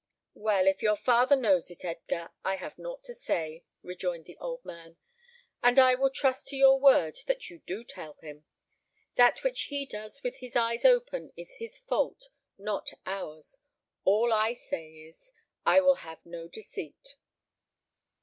"Well, if your father knows it, Edgar, I have nought to say," rejoined the old man; "and I will trust to your word that you do tell him. That which he does with his eyes open is his fault, not ours. All I say is, I will have no deceit."